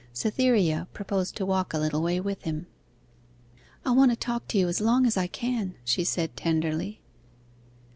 Cytherea proposed to walk a little way with him. 'I want to talk to you as long as I can,' she said tenderly.